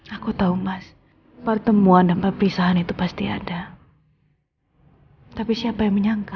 aku tahu mas pertemuan dan perpisahan itu pasti ada tapi siapa yang menyangka